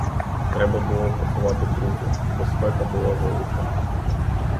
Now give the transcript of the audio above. Треба було поховати трупи, бо спека була велика.